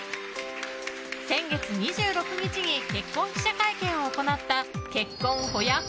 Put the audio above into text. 先月２６日に結婚記者会見を行った結婚ほやっ